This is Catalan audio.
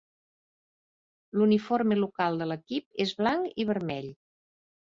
L'uniforme local de l'equip és blanc i vermell.